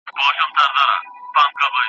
هره ورځ کوي له خلکو څخه غلاوي !.